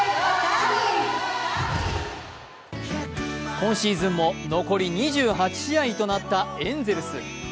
今シーズンも残り２８試合となったエンゼルス。